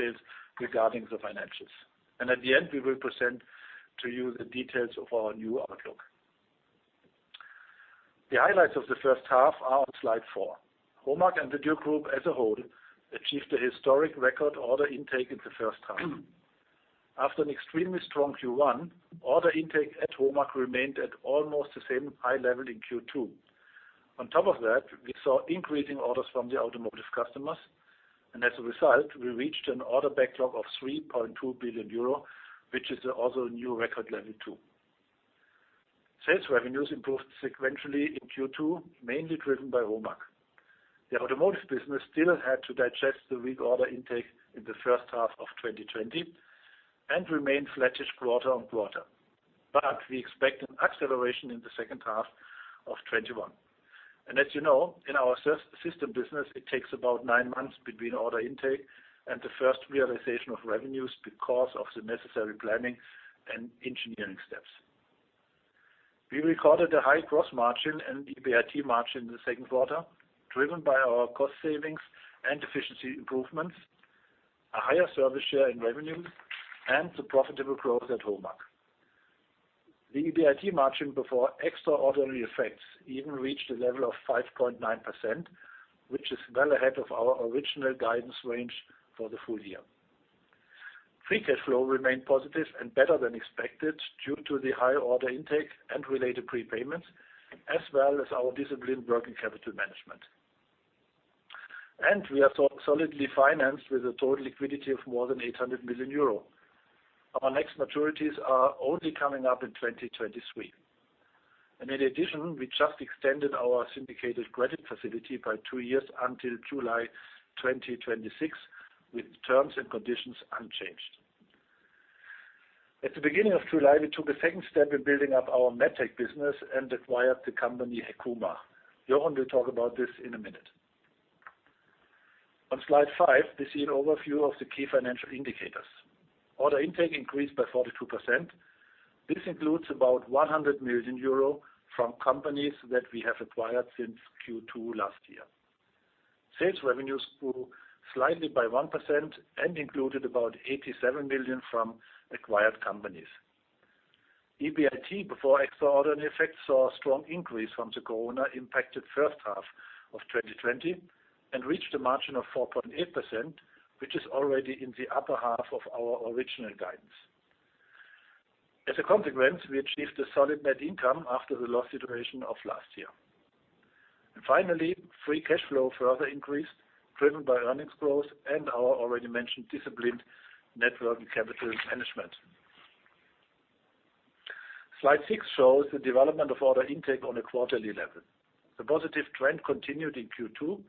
Details regarding the financials, and at the end, we will present to you the details of our new outlook. The highlights of the first half are on slide four. HOMAG and the Dürr Group as a whole achieved a historic record order intake in the first half. After an extremely strong Q1, order intake at HOMAG remained at almost the same high level in Q2. On top of that, we saw increasing orders from the automotive customers, and as a result, we reached an order backlog of 3.2 billion euro, which is also a new record level too. Sales revenues improved sequentially in Q2, mainly driven by HOMAG. The automotive business still had to digest the weak order intake in the first half of 2020 and remain flattish quarter on quarter, but we expect an acceleration in the second half of 2021. As you know, in our system business, it takes about nine months between order intake and the first realization of revenues because of the necessary planning and engineering steps. We recorded a high gross margin and EBIT margin in the second quarter, driven by our cost savings and efficiency improvements, a higher service share in revenues, and the profitable growth at HOMAG. The EBIT margin before extraordinary effects even reached a level of 5.9%, which is well ahead of our original guidance range for the full year. Free cash flow remained positive and better than expected due to the high order intake and related prepayments, as well as our disciplined working capital management. We are solidly financed with a total liquidity of more than 800 million euro. Our next maturities are only coming up in 2023. And in addition, we just extended our syndicated credit facility by two years until July 2026, with terms and conditions unchanged. At the beginning of July, we took a second step in building up our medtech business and acquired the company HEKUMA. Jochen will talk about this in a minute. On slide five, we see an overview of the key financial indicators. Order intake increased by 42%. This includes about €100 million from companies that we have acquired since Q2 last year. Sales revenues grew slightly by 1% and included about 87 million from acquired companies. EBIT before extraordinary effects saw a strong increase from the Corona-impacted first half of 2020 and reached a margin of 4.8%, which is already in the upper half of our original guidance. As a consequence, we achieved a solid net income after the lost situation of last year. Finally, free cash flow further increased, driven by earnings growth and our already mentioned disciplined working capital management. Slide six shows the development of order intake on a quarterly level. The positive trend continued in Q2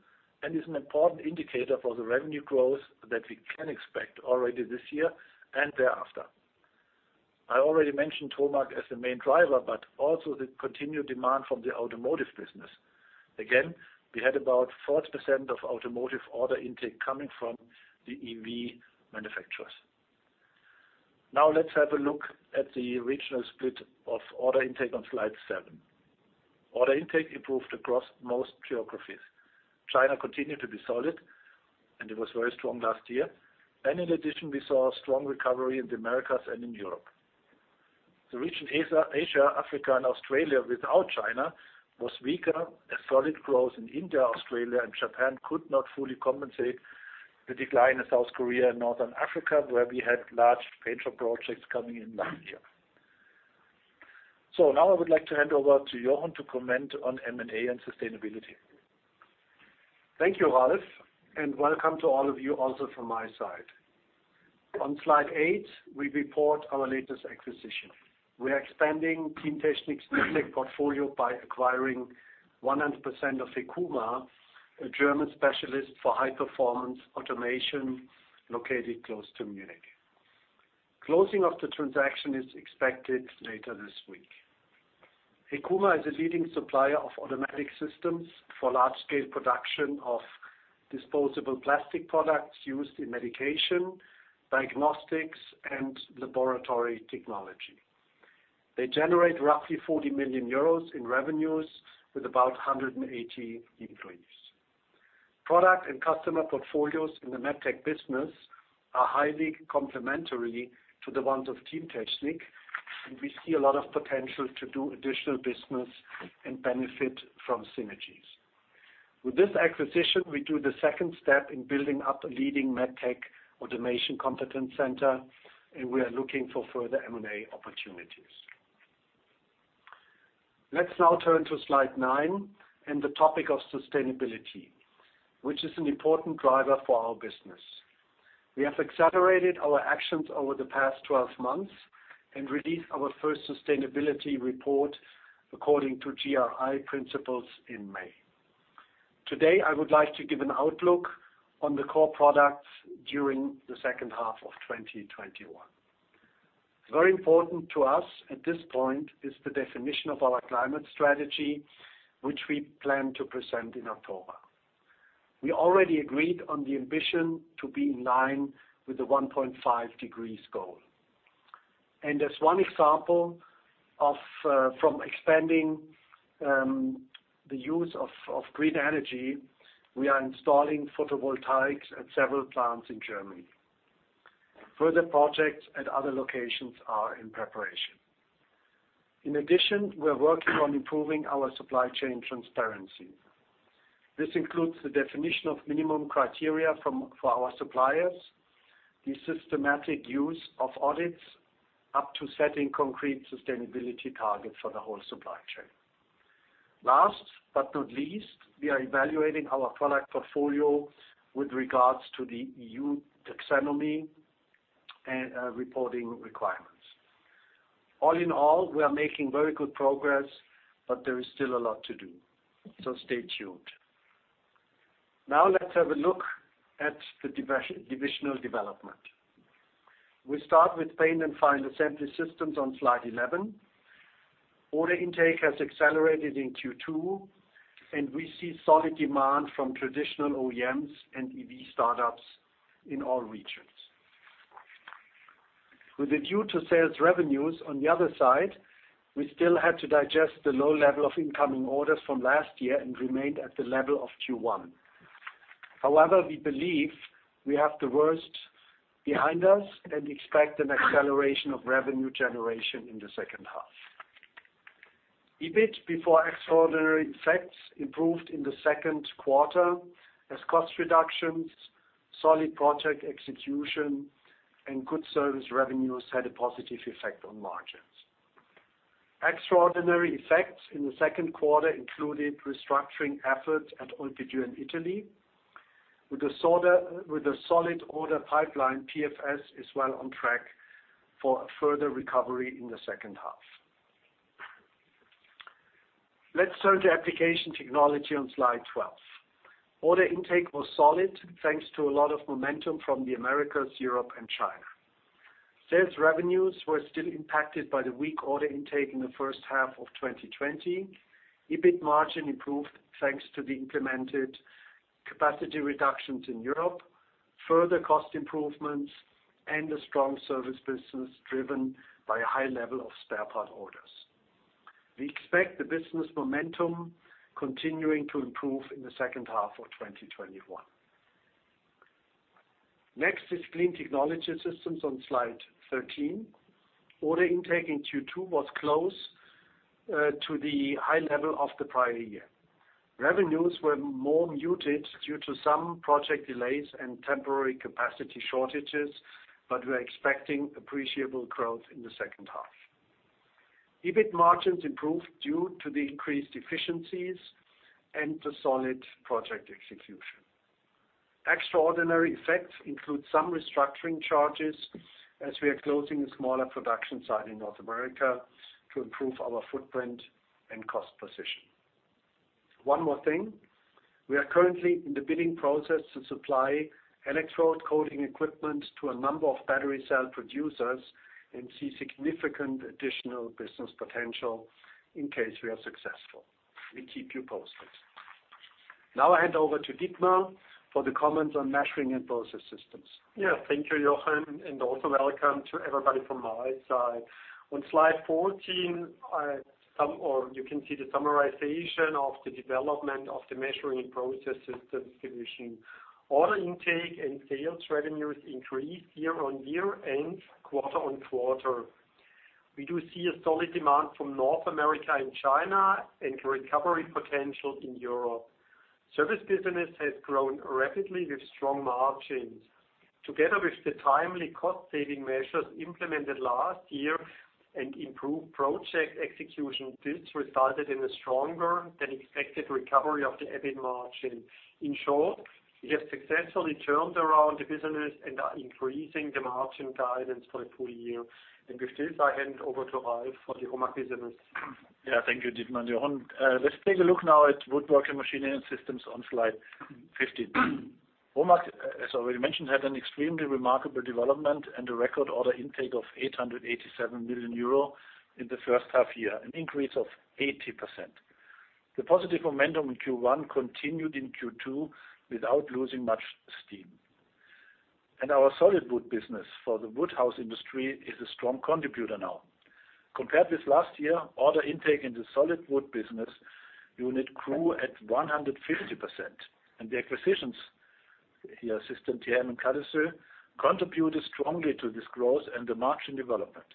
and is an important indicator for the revenue growth that we can expect already this year and thereafter. I already mentioned HOMAG as the main driver, but also the continued demand from the automotive business. Again, we had about 40% of automotive order intake coming from the EV manufacturers. Now let's have a look at the regional split of order intake on slide seven. Order intake improved across most geographies. China continued to be solid, and it was very strong last year. In addition, we saw a strong recovery in the Americas and in Europe. The region Asia, Africa, and Australia without China was weaker. A solid growth in India, Australia, and Japan could not fully compensate the decline in South Korea and Northern Africa, where we had large venture projects coming in last year. So now I would like to hand over to Jochen to comment on M&A and sustainability. Thank you, Ralf, and welcome to all of you also from my side. On slide eight, we report our latest acquisition. We are expanding Teamtechnik's medtech portfolio by acquiring 100% of HEKUMA, a German specialist for high-performance automation located close to Munich. Closing of the transaction is expected later this week. HEKUMA is a leading supplier of automatic systems for large-scale production of disposable plastic products used in medication, diagnostics, and laboratory technology. They generate roughly 40 million euros in revenues with about 180 employees. Product and customer portfolios in the medtech business are highly complementary to the ones of Teamtechnik, and we see a lot of potential to do additional business and benefit from synergies. With this acquisition, we do the second step in building up a leading medtech automation competence center, and we are looking for further M&A opportunities. Let's now turn to slide nine and the topic of sustainability, which is an important driver for our business. We have accelerated our actions over the past 12 months and released our first sustainability report according to GRI principles in May. Today, I would like to give an outlook on the core products during the second half of 2021. Very important to us at this point is the definition of our climate strategy, which we plan to present in October. We already agreed on the ambition to be in line with the 1.5 degrees goal, and as one example of expanding the use of green energy, we are installing photovoltaics at several plants in Germany. Further projects at other locations are in preparation. In addition, we are working on improving our supply chain transparency. This includes the definition of minimum criteria for our suppliers, the systematic use of audits up to setting concrete sustainability targets for the whole supply chain. Last but not least, we are evaluating our product portfolio with regards to the EU Taxonomy and reporting requirements. All in all, we are making very good progress, but there is still a lot to do. So stay tuned. Now let's have a look at the divisional development. We start with Paint and Final Assembly Systems on slide 11. Order intake has accelerated in Q2, and we see solid demand from traditional OEMs and EV startups in all regions. With a view to sales revenues, on the other side, we still had to digest the low level of incoming orders from last year and remained at the level of Q1. However, we believe we have the worst behind us and expect an acceleration of revenue generation in the second half. EBIT before extraordinary effects improved in the second quarter as cost reductions, solid project execution, and good service revenues had a positive effect on margins. Extraordinary effects in the second quarter included restructuring efforts at Olpidürr in Italy, with a solid order pipeline. PFS as well on track for a further recovery in the second half. Let's turn to Application Technology on slide 12. Order intake was solid thanks to a lot of momentum from the Americas, Europe, and China. Sales revenues were still impacted by the weak order intake in the first half of 2020. EBIT margin improved thanks to the implemented capacity reductions in Europe, further cost improvements, and a strong service business driven by a high level of spare part orders. We expect the business momentum continuing to improve in the second half of 2021. Next is Clean Technology Systems on slide 13. Order intake in Q2 was close to the high level of the prior year. Revenues were more muted due to some project delays and temporary capacity shortages, but we are expecting appreciable growth in the second half. EBIT margins improved due to the increased efficiencies and the solid project execution. Extraordinary effects include some restructuring charges as we are closing a smaller production site in North America to improve our footprint and cost position. One more thing, we are currently in the bidding process to supply electrode coating equipment to a number of battery cell producers and see significant additional business potential in case we are successful. We keep you posted. Now I hand over to Dietmar for the comments on Measuring and Process Systems. Yeah, thank you, Jochen, and also welcome to everybody from my side. On slide 14, you can see the summarization of the development of the Measuring and Process Systems division. Order intake and sales revenues increased year on year and quarter on quarter. We do see a solid demand from North America and China and recovery potential in Europe. Service business has grown rapidly with strong margins. Together with the timely cost-saving measures implemented last year and improved project execution, this resulted in a stronger than expected recovery of the EBIT margin. In short, we have successfully turned around the business and are increasing the margin guidance for the full year. And with this, I hand over to Ralf for the HOMAG business. Yeah, thank you, Dietmar and Jochen. Let's take a look now at Woodworking Machinery and Systems on slide 15. HOMAG, as already mentioned, had an extremely remarkable development and a record order intake of 887 million euro in the first half year, an increase of 80%. The positive momentum in Q1 continued in Q2 without losing much steam, and our solid wood business for the wood house industry is a strong contributor now. Compared with last year, order intake in the solid wood business unit grew at 150%, and the acquisitions here, System TM and Kallesoe Machinery, contributed strongly to this growth and the margin development.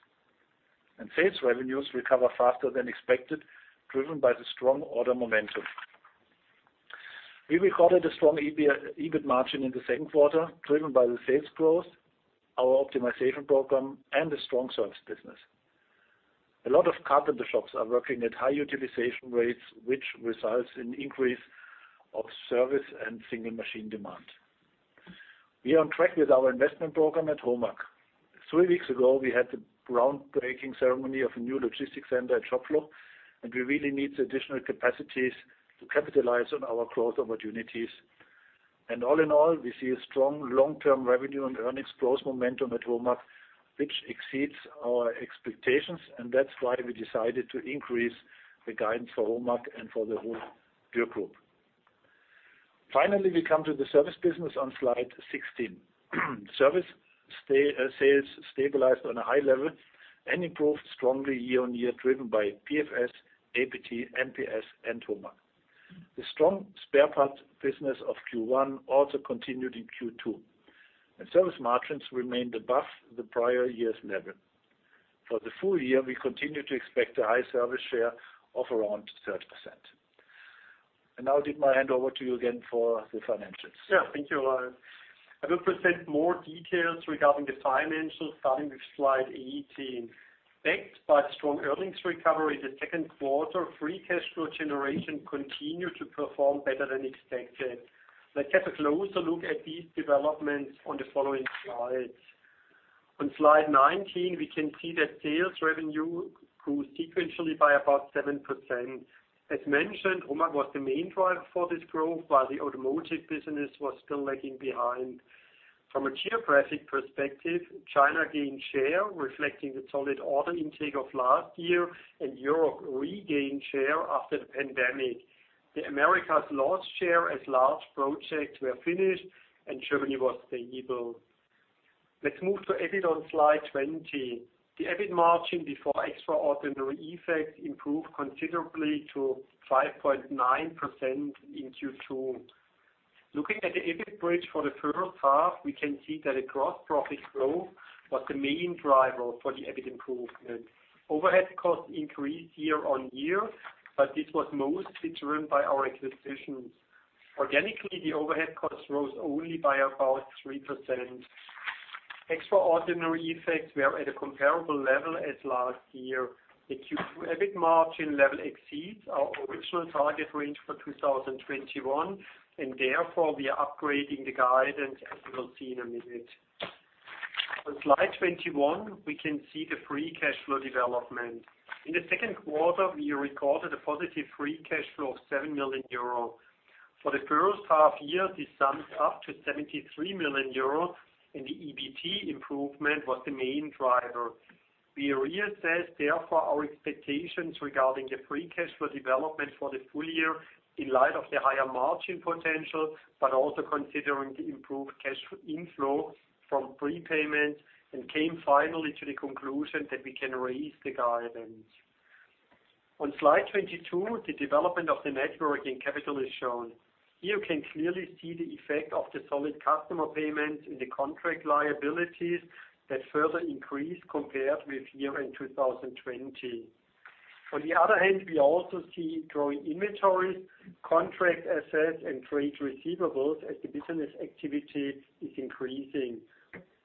And sales revenues recovered faster than expected, driven by the strong order momentum. We recorded a strong EBIT margin in the second quarter, driven by the sales growth, our optimization program, and a strong service business. A lot of carpenter shops are working at high utilization rates, which results in an increase of service and single machine demand. We are on track with our investment program at HOMAG. Three weeks ago, we had the groundbreaking ceremony of a new logistics center at Schopfloch, and we really need additional capacities to capitalize on our growth opportunities, and all in all, we see a strong long-term revenue and earnings growth momentum at HOMAG, which exceeds our expectations, and that's why we decided to increase the guidance for HOMAG and for the whole Dürr Group. Finally, we come to the service business on slide 16. Service sales stabilized on a high level and improved strongly year on year, driven by PFS, APT, MPS, and HOMAG. The strong spare part business of Q1 also continued in Q2, and service margins remained above the prior year's level. For the full year, we continue to expect a high service share of around 30%. And now, Dietmar, I hand over to you again for the financials. Yeah, thank you, Ralf. I will present more details regarding the financials starting with slide 18. Backed by the strong earnings recovery in the second quarter, free cash flow generation continued to perform better than expected. Let's have a closer look at these developments on the following slides. On slide 19, we can see that sales revenue grew sequentially by about 7%. As mentioned, HOMAG was the main driver for this growth, while the automotive business was still lagging behind. From a geographic perspective, China gained share, reflecting the solid order intake of last year, and Europe regained share after the pandemic. The Americas lost share as large projects were finished, and Germany was stable. Let's move to EBIT on slide 20. The EBIT margin before extraordinary effects improved considerably to 5.9% in Q2. Looking at the EBIT bridge for the first half, we can see that the gross profit growth was the main driver for the EBIT improvement. Overhead costs increased year on year, but this was mostly driven by our acquisitions. Organically, the overhead costs rose only by about 3%. Extraordinary effects were at a comparable level as last year. The EBIT margin level exceeds our original target range for 2021, and therefore we are upgrading the guidance, as you will see in a minute. On slide 21, we can see the free cash flow development. In the second quarter, we recorded a positive free cash flow of 7 million euro. For the first half year, this summed up to 73 million euro, and the EBIT improvement was the main driver. We reassessed, therefore, our expectations regarding the free cash flow development for the full year in light of the higher margin potential, but also considering the improved cash inflow from prepayments, and came finally to the conclusion that we can raise the guidance. On slide 22, the development of the net working capital is shown. Here you can clearly see the effect of the solid customer payments in the contract liabilities that further increased compared with year-end 2020. On the other hand, we also see growing inventories, contract assets, and trade receivables as the business activity is increasing.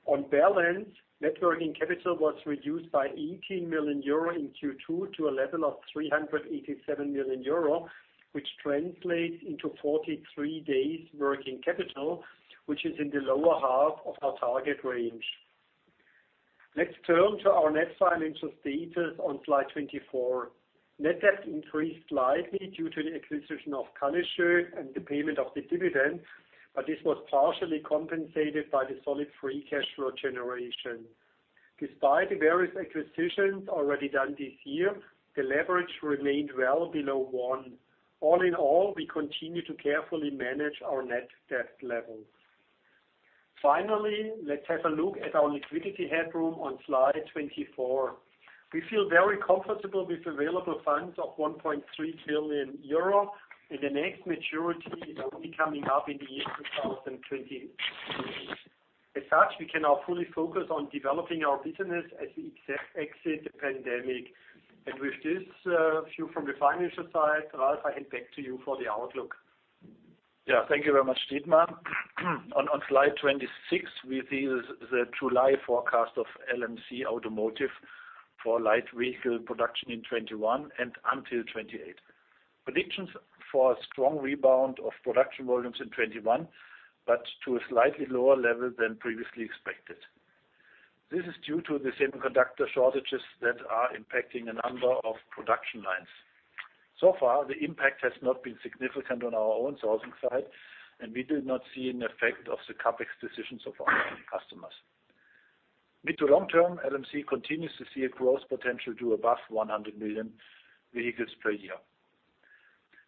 On balance, net working capital was reduced by 18 million euro in Q2 to a level of 387 million euro, which translates into 43 days' working capital, which is in the lower half of our target range. Let's turn to our net financial status on slide 24. Net debt increased slightly due to the acquisition of Kallesoe and the payment of the dividend, but this was partially compensated by the solid free cash flow generation. Despite the various acquisitions already done this year, the leverage remained well below one. All in all, we continue to carefully manage our net debt levels. Finally, let's have a look at our liquidity headroom on slide 24. We feel very comfortable with available funds of 1.3 trillion euro and the next maturity is only coming up in the year 2023. As such, we can now fully focus on developing our business as we exit the pandemic. And with this view from the financial side, Ralf, I hand back to you for the outlook. Yeah, thank you very much, Dietmar. On slide 26, we see the July forecast of LMC Automotive for light vehicle production in 2021 and until 2028. Predictions for a strong rebound of production volumes in 2021, but to a slightly lower level than previously expected. This is due to the semiconductor shortages that are impacting a number of production lines. So far, the impact has not been significant on our own sourcing side, and we did not see an effect of the CapEx decisions of our customers. Mid to long term, LMC continues to see a growth potential to above 100 million vehicles per year.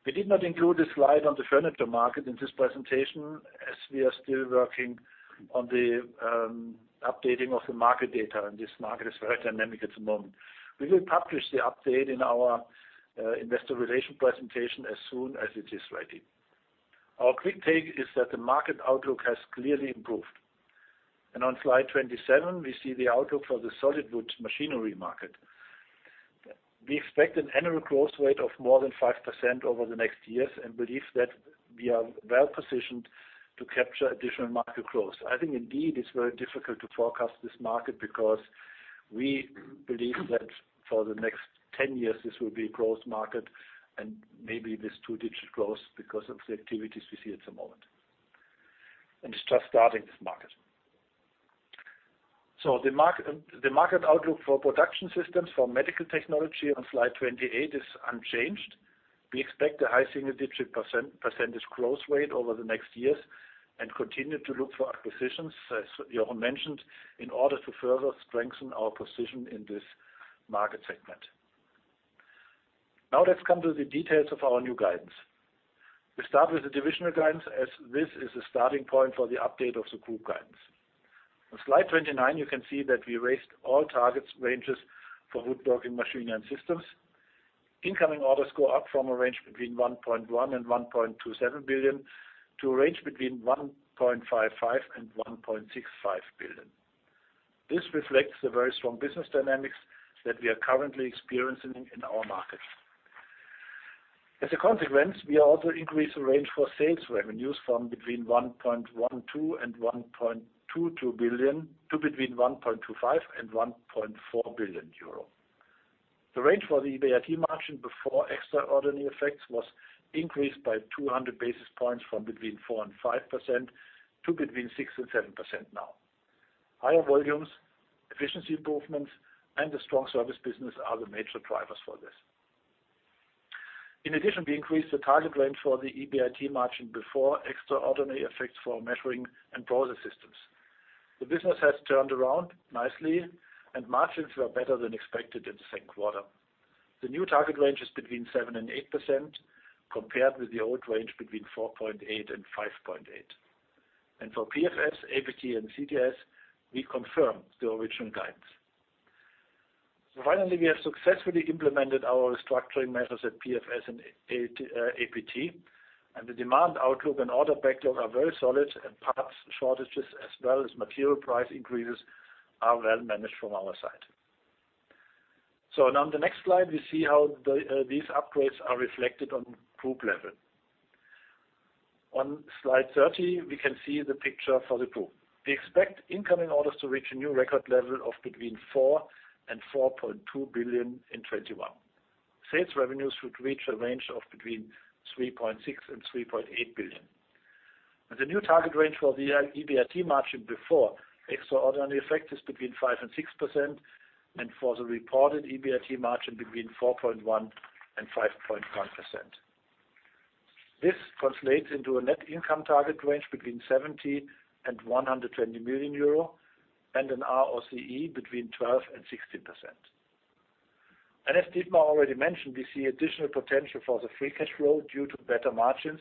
We did not include this slide on the furniture market in this presentation as we are still working on the updating of the market data, and this market is very dynamic at the moment. We will publish the update in our investor relations presentation as soon as it is ready. Our quick take is that the market outlook has clearly improved. And on slide 27, we see the outlook for the solid wood machinery market. We expect an annual growth rate of more than 5% over the next years and believe that we are well positioned to capture additional market growth. I think indeed it's very difficult to forecast this market because we believe that for the next 10 years, this will be a growth market and maybe this two-digit growth because of the activities we see at the moment. And it's just starting this market. So the market outlook for production systems for medical technology on slide 28 is unchanged. We expect a high single-digit percent, percentage growth rate over the next years and continue to look for acquisitions, as Jochen mentioned, in order to further strengthen our position in this market segment. Now let's come to the details of our new guidance. We start with the divisional guidance as this is a starting point for the update of the group guidance. On slide 29, you can see that we raised all target ranges for woodworking machinery and systems. Incoming orders go up from a range between 1.1 billion and 1.27 billion to a range between 1.55 billion and 1.65 billion. This reflects the very strong business dynamics that we are currently experiencing in our market. As a consequence, we also increased the range for sales revenues from between 1.12 billion and 1.22 billion to between 1.25 billion and 1.4 billion euro. The range for the EBIT margin before extraordinary effects was increased by 200 basis points from between 4% and 5% to between 6% and 7% now. Higher volumes, efficiency improvements, and the strong service business are the major drivers for this. In addition, we increased the target range for the EBIT margin before extraordinary effects for Measuring and Process Systems. The business has turned around nicely, and margins were better than expected in the second quarter. The new target range is between 7% and 8% compared with the old range between 4.8% and 5.8%. For PFS, APT, and CTS, we confirm the original guidance. Finally, we have successfully implemented our restructuring measures at PFS and APT, and the demand outlook and order backlog are very solid, and parts shortages as well as material price increases are well managed from our side. So now on the next slide, we see how these upgrades are reflected on group level. On slide 30, we can see the picture for the group. We expect incoming orders to reach a new record level of between 4 billion and 4.2 billion in 2021. Sales revenues would reach a range of between 3.6 billion and 3.8 billion. And the new target range for the EBIT margin before extraordinary effect is between 5% and 6%, and for the reported EBIT margin between 4.1% and 5.1%. This translates into a net income target range between 70 million and 120 million euro and an ROCE between 12% and 16%. And as Dietmar already mentioned, we see additional potential for the free cash flow due to better margins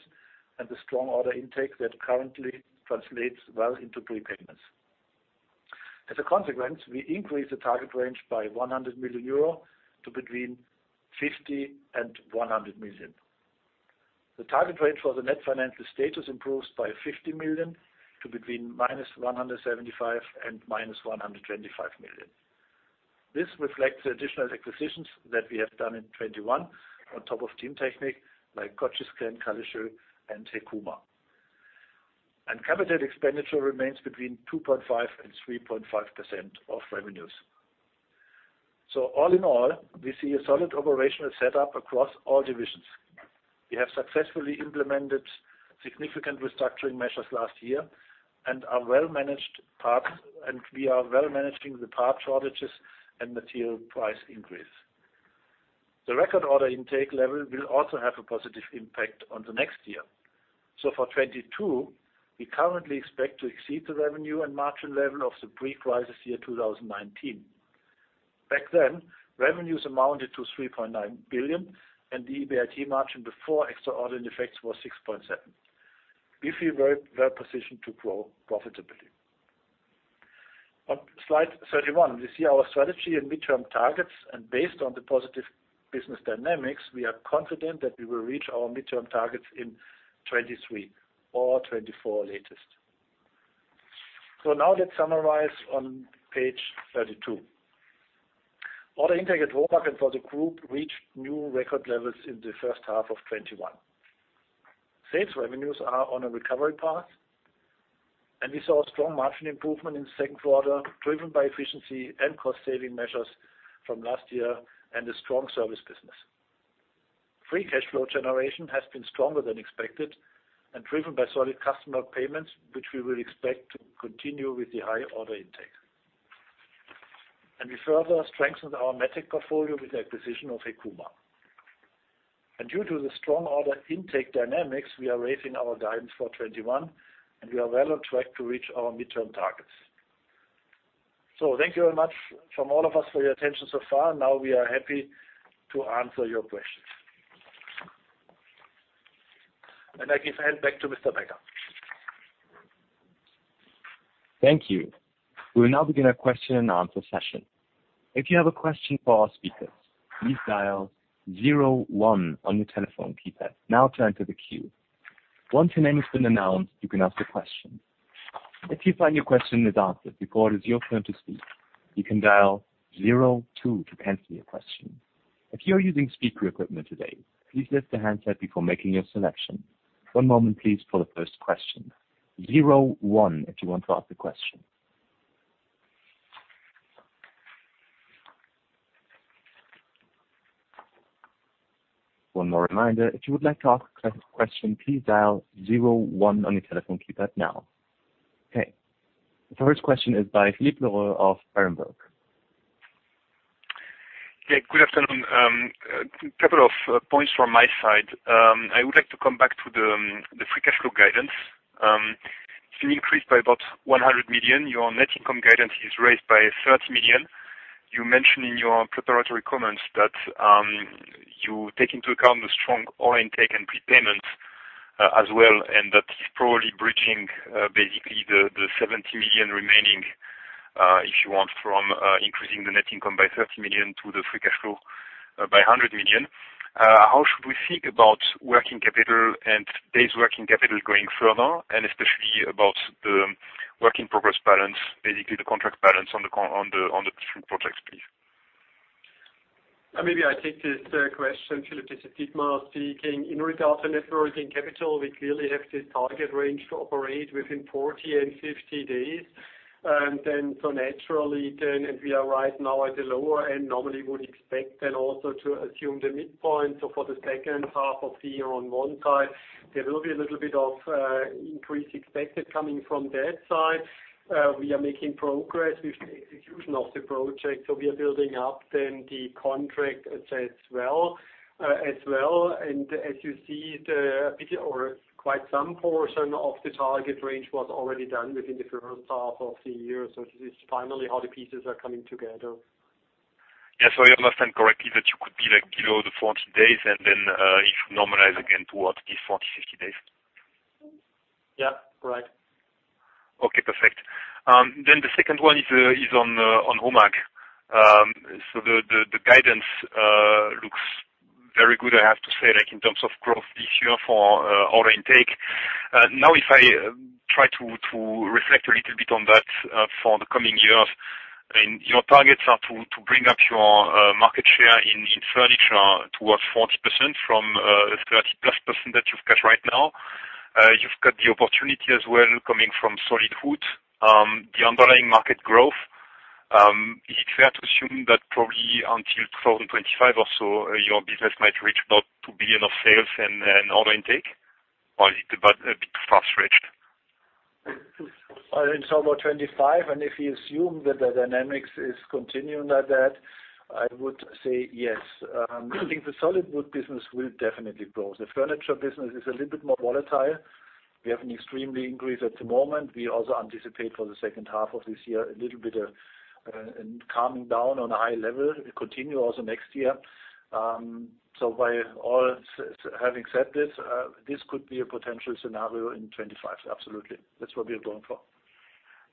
and the strong order intake that currently translates well into prepayments. As a consequence, we increase the target range by 100 million euro to between 50 million and 100 million. The target range for the net financial status improves by 50 million to between minus 175 million and minus 125 million. This reflects the additional acquisitions that we have done in 2021 on top of Teamtechnik like Cogiscan, Kallesoe Machinery, and HEKUMA. And capital expenditure remains between 2.5% and 3.5% of revenues. So all in all, we see a solid operational setup across all divisions. We have successfully implemented significant restructuring measures last year and are well managing parts, and we are well managing the part shortages and material price increase. The record order intake level will also have a positive impact on the next year. So for 2022, we currently expect to exceed the revenue and margin level of the pre-crisis year 2019. Back then, revenues amounted to 3.9 billion, and the EBIT margin before extraordinary effects was 6.7%. We feel very well positioned to grow profitably. On slide 31, we see our strategy and midterm targets, and based on the positive business dynamics, we are confident that we will reach our midterm targets in 2023 or 2024 latest. So now let's summarize on page 32. Order intake at HOMAG and for the group reached new record levels in the first half of 2021. Sales revenues are on a recovery path, and we saw a strong margin improvement in the second quarter driven by efficiency and cost-saving measures from last year and a strong service business. Free cash flow generation has been stronger than expected and driven by solid customer payments, which we will expect to continue with the high order intake. And we further strengthened our medtech portfolio with the acquisition of HEKUMA. And due to the strong order intake dynamics, we are raising our guidance for 2021, and we are well on track to reach our midterm targets. So thank you very much from all of us for your attention so far. Now we are happy to answer your questions. And I give hand back to Operator. Thank you. We will now begin our question and answer session. If you have a question for our speakers, please dial zero one on your telephone keypad now to enter the queue. Once your name has been announced, you can ask a question. If you find your question is answered before it is your turn to speak, you can dial zero two to cancel your question. If you are using speaker equipment today, please lift the handset before making your selection. One moment, please, for the first question., zero one if you want to ask a question. One more reminder, if you would like to ask a question, please dial zero one on your telephone keypad now. Okay. The first question is by Philippe Lorrain of Berenberg. Yeah, good afternoon. A couple of points from my side. I would like to come back to the free cash flow guidance. It's been increased by about 100 million. Your net income guidance is raised by 30 million. You mentioned in your preparatory comments that you take into account the strong order intake and prepayments as well, and that it's probably bridging basically the 70 million remaining, if you want, from increasing the net income by 30 million to the free cash flow by 100 million. How should we think about working capital and base working capital going further, and especially about the work in progress balance, basically the contract balance on the different projects, please? Maybe I take this question. Philippe, this is Dietmar speaking. In regard to net working capital, we clearly have this target range to operate within 40-50 days. And then so naturally, and we are right now at the lower end, normally would expect then also to assume the midpoint. So for the second half of the year on one side, there will be a little bit of increase expected coming from that side. We are making progress with the execution of the project. So we are building up then the contract as well. And as you see, quite some portion of the target range was already done within the first half of the year. So this is finally how the pieces are coming together. Yeah, so I understand correctly that you could be like below the 40 days and then if you normalize again towards these 40, 50 days? Yeah, correct. Okay, perfect. Then the second one is on HOMAG. So the guidance looks very good, I have to say, in terms of growth this year for order intake. Now, if I try to reflect a little bit on that for the coming years, your targets are to bring up your market share in furniture towards 40% from 30 plus % that you've got right now. You've got the opportunity as well coming from solid wood. The underlying market growth, is it fair to assume that probably until 2025 or so, your business might reach about 2 billion of sales and order intake? Or is it a bit fast-reached? I think it's almost 25, and if you assume that the dynamics is continuing like that, I would say yes. I think the solid wood business will definitely grow. The furniture business is a little bit more volatile. We have an extreme increase at the moment. We also anticipate for the second half of this year a little bit of calming down on a high level. It will continue also next year. So, having said all this, this could be a potential scenario in 2025. Absolutely. That's what we are going for.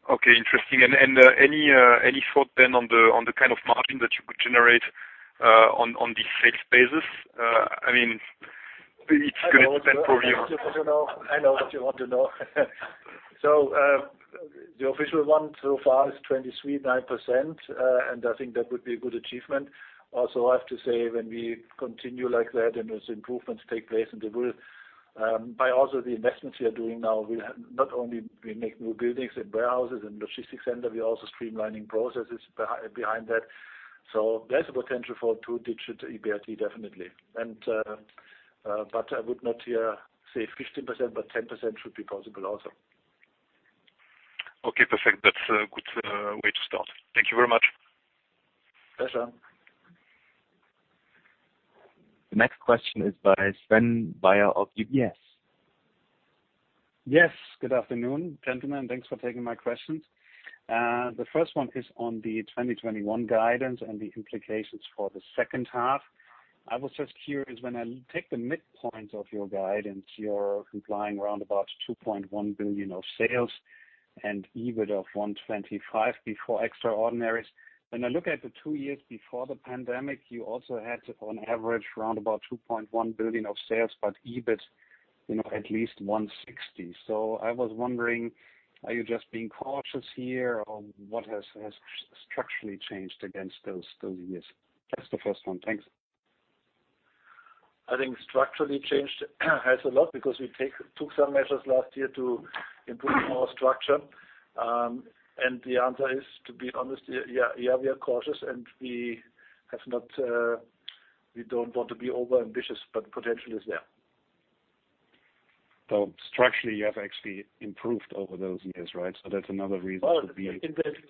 Okay, interesting. And any thought then on the kind of margin that you could generate on this sales basis? I mean, it's going to depend probably on. I know what you want to know. The official one so far is 23.9%, and I think that would be a good achievement. Also, I have to say, when we continue like that and those improvements take place, and they will, by also the investments we are doing now, not only we make new buildings and warehouses and logistics centers, we're also streamlining processes behind that. There's a potential for a two-digit EBIT, definitely. I would not here say 15%, but 10% should be possible also. Okay, perfect. That's a good way to start. Thank you very much. Pleasure. The next question is by Sven Weier of UBS. Yes, good afternoon, gentlemen. Thanks for taking my questions. The first one is on the 2021 guidance and the implications for the second half. I was just curious, when I take the midpoint of your guidance, you're implying around about 2.1 billion of sales and EBITDA of 125 million before extraordinaries. When I look at the two years before the pandemic, you also had on average around about 2.1 billion of sales, but EBIT at least 160 million. So I was wondering, are you just being cautious here, or what has structurally changed against those years? That's the first one. Thanks. I think structurally changed has a lot because we took some measures last year to improve our structure, and the answer is, to be honest, yeah, we are cautious, and we don't want to be overambitious, but potential is there. So structurally, you have actually improved over those years, right? So that's another reason to be.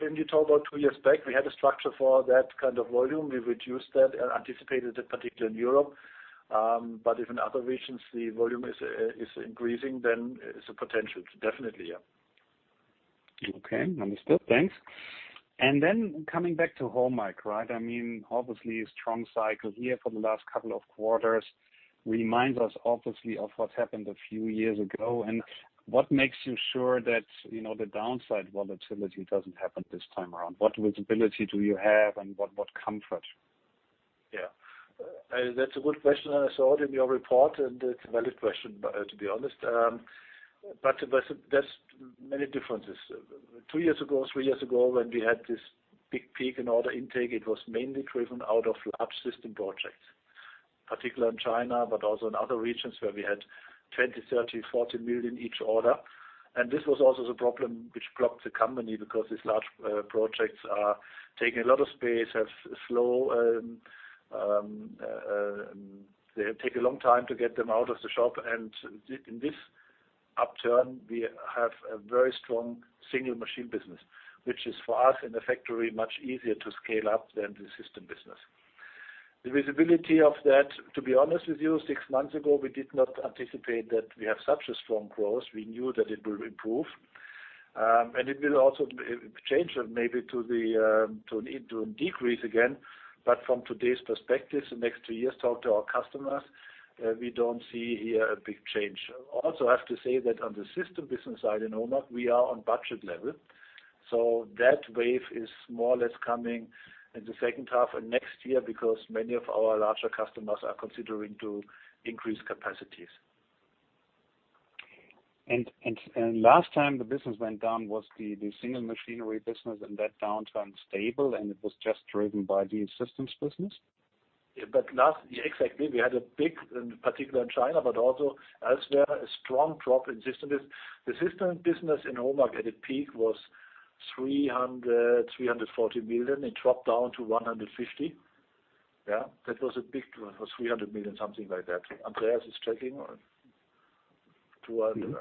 When you talk about two years back, we had a structure for that kind of volume. We reduced that and anticipated it particularly in Europe. But if in other regions the volume is increasing, then it's a potential. Definitely, yeah. Okay, understood. Thanks. And then coming back to HOMAG, right? I mean, obviously, a strong cycle here for the last couple of quarters reminds us obviously of what happened a few years ago. And what makes you sure that the downside volatility doesn't happen this time around? What visibility do you have, and what comfort? Yeah. That's a good question. I saw it in your report, and it's a valid question, to be honest, but there's many differences. Two years ago, three years ago, when we had this big peak in order intake, it was mainly driven out of large system projects, particularly in China, but also in other regions where we had 20 million, 30 million, 40 million each order, and this was also the problem which blocked the company because these large projects are taking a lot of space, are slow, they take a long time to get them out of the shop, and in this upturn, we have a very strong single machine business, which is for us in a factory much easier to scale up than the system business. The visibility of that, to be honest with you, six months ago, we did not anticipate that we have such a strong growth. We knew that it will improve. And it will also change maybe to a decrease again. But from today's perspective, the next two years talk to our customers, we don't see here a big change. Also, I have to say that on the system business side in HOMAG, we are on budget level. So that wave is more or less coming in the second half and next year because many of our larger customers are considering to increase capacities. Last time the business went down was the single machinery business, and that downturn stable, and it was just driven by the systems business? Yeah, but last year, exactly, we had a big particular in China, but also elsewhere, a strong drop in systems. The system business in HOMAG at the peak was 340 million. It dropped down to 150 million. Yeah, that was a big drop, 300 million, something like that. Andreas is checking or?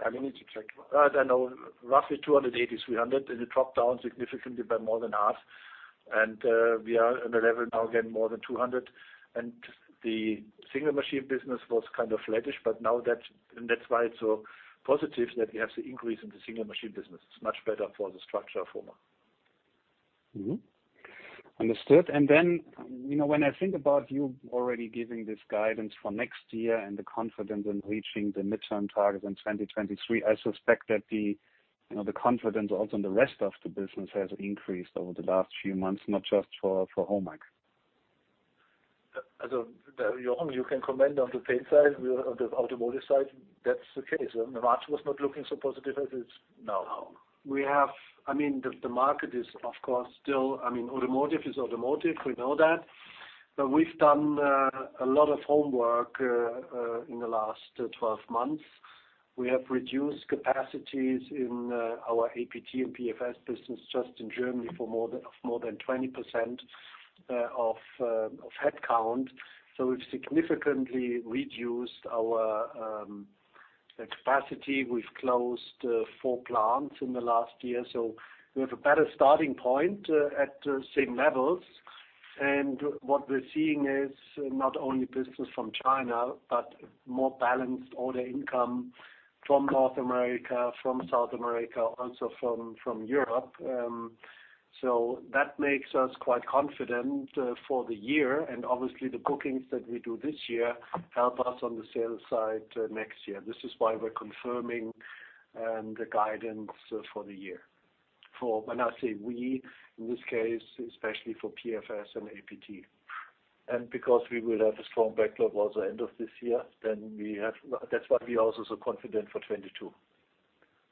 I don't need to check. I know roughly 280, 300, and it dropped down significantly by more than half. And we are on a level now again, more than 200. And the single machine business was kind of flattish, but now that's why it's so positive that we have the increase in the single machine business. It's much better for the structure of HOMAG. Understood. And then when I think about you already giving this guidance for next year and the confidence in reaching the midterm targets in 2023, I suspect that the confidence also in the rest of the business has increased over the last few months, not just for HOMAG. Jochen, you can comment on the paint side on the automotive side. That's the case. March was not looking so positive as it's now. No. I mean, the market is, of course, still. I mean, automotive is automotive. We know that. But we've done a lot of homework in the last 12 months. We have reduced capacities in our APT and PFS business just in Germany of more than 20% of headcount. So we've significantly reduced our capacity. We've closed four plants in the last year. So we have a better starting point at the same levels. And what we're seeing is not only business from China, but more balanced order intake from North America, from South America, also from Europe. So that makes us quite confident for the year. And obviously, the bookings that we do this year help us on the sales side next year. This is why we're confirming the guidance for the year. When I say we, in this case, especially for PFS and APT. Because we will have a strong backlog also end of this year, then we have, that's why we are also so confident for 2022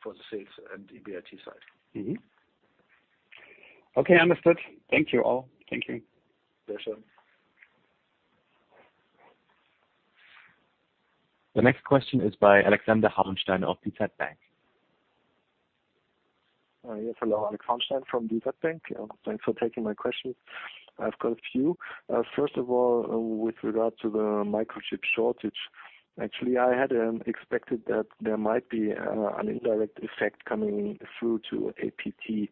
for the sales and EBIT side. Okay, understood. Thank you all. Thank you. Pleasure. The next question is by Alexander Hauenstein of DZ Bank. Yes, hello. Alex Hauenstein from DZ Bank. Thanks for taking my questions. I've got a few. First of all, with regard to the microchip shortage, actually, I had expected that there might be an indirect effect coming through to APT.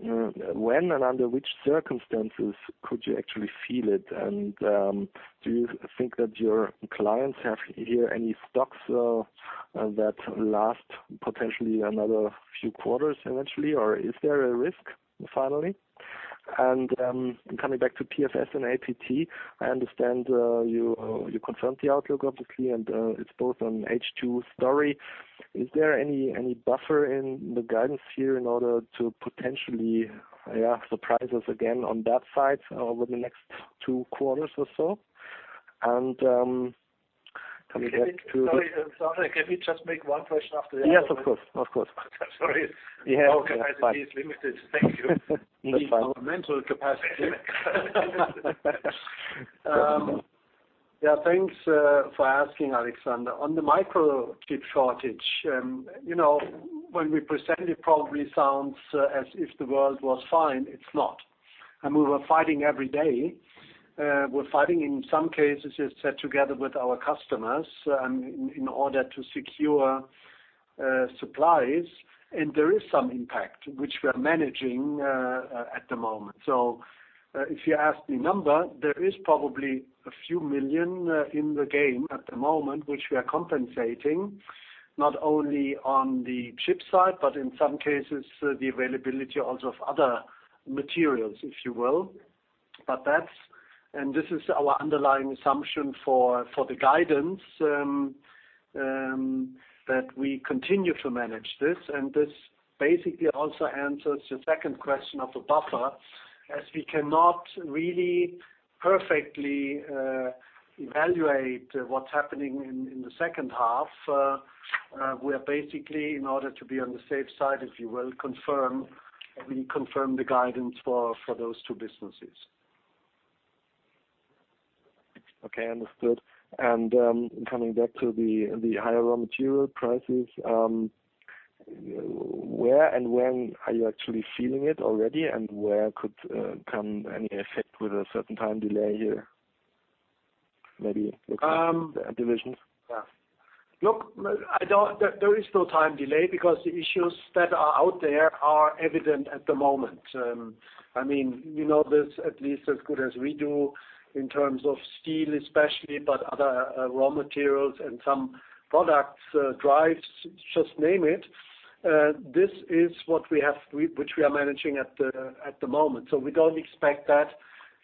When and under which circumstances could you actually feel it? And do you think that your clients have here any stocks that last potentially another few quarters eventually, or is there a risk finally? And coming back to PFS and APT, I understand you confirmed the outlook, obviously, and it's both an H2 story. Is there any buffer in the guidance here in order to potentially surprise us again on that side over the next two quarters or so? And coming back to. Sorry, sorry. Can we just make one question after the other? Yes, of course. Of course. Sorry. Yeah. Oh, capacity is limited. Thank you. That's fine. Mental capacity. Yeah, thanks for asking, Alexander. On the microchip shortage, when we present, it probably sounds as if the world was fine. It's not, and we were fighting every day. We're fighting in some cases, as I said, together with our customers in order to secure supplies. And there is some impact, which we are managing at the moment. So if you ask the number, there is probably a few million EUR in the game at the moment, which we are compensating, not only on the chip side, but in some cases, the availability also of other materials, if you will. But that's, and this is our underlying assumption for the guidance that we continue to manage this, and this basically also answers your second question of a buffer, as we cannot really perfectly evaluate what's happening in the second half. We are basically, in order to be on the safe side, if you will, confirm the guidance for those two businesses. Okay, understood. Coming back to the higher raw material prices, where and when are you actually feeling it already, and where could come any effect with a certain time delay here? Maybe look at divisions. Yeah. Look, there is no time delay because the issues that are out there are evident at the moment. I mean, we know this at least as good as we do in terms of steel, especially, but other raw materials and some products, drives, just name it. This is what we have which we are managing at the moment. So we don't expect that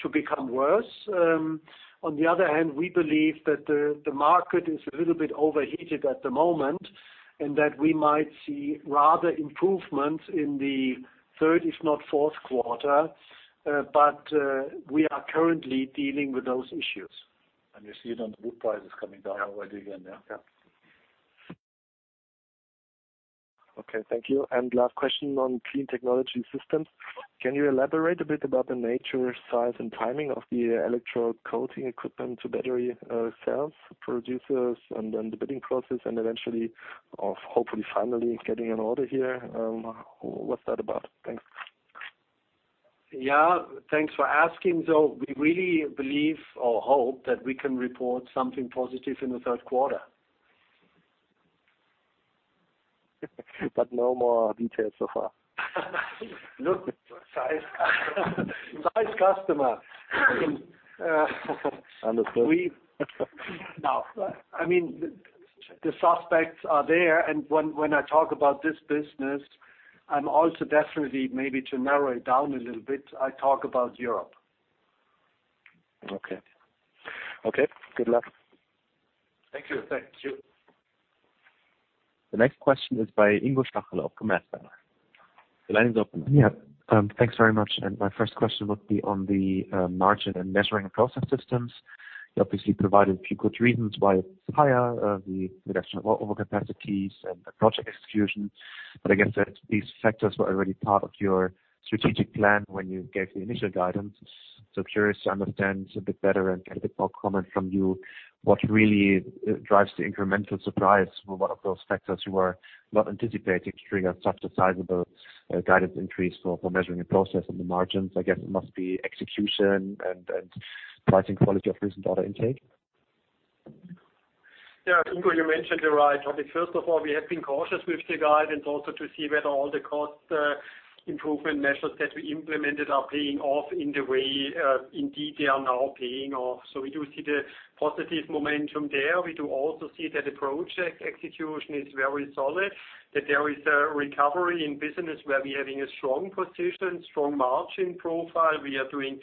to become worse. On the other hand, we believe that the market is a little bit overheated at the moment and that we might see rather improvements in the third, if not fourth quarter. But we are currently dealing with those issues. You see it on the wood prices coming down already again, yeah? Yeah. Okay, thank you. And last question on clean technology systems. Can you elaborate a bit about the nature, size, and timing of the electrode coating equipment to battery cells producers and then the bidding process and eventually, hopefully, finally getting an order here? What's that about? Thanks. Yeah, thanks for asking. So we really believe or hope that we can report something positive in the third quarter. But no more details so far. Look, size customer. Understood. Now, I mean, the suspects are there. And when I talk about this business, I'm also definitely maybe to narrow it down a little bit, I talk about Europe. Okay. Okay, good luck. Thank you. Thank you. The next question is by Ingo Schachel, of Commerzbank. The line is open. Yeah, thanks very much. And my first question would be on the margins and Measuring and Process Systems. You obviously provided a few good reasons why it's higher, the reduction of overcapacities and the project execution. But I guess that these factors were already part of your strategic plan when you gave the initial guidance. So curious to understand a bit better and get a bit more comment from you what really drives the incremental surprise for one of those factors you were not anticipating to trigger such a sizable guidance increase for Measuring and Process and the margins. I guess it must be execution and pricing quality of recent order intake. Yeah, Ingo, you mentioned the right topic. First of all, we have been cautious with the guidance also to see whether all the cost improvement measures that we implemented are paying off in the way indeed they are now paying off. So we do see the positive momentum there. We do also see that the project execution is very solid, that there is a recovery in business where we are having a strong position, strong margin profile. We are doing